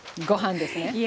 ご飯ですね。